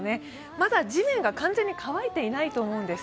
まだ地面が完全に乾いていないと思うんです。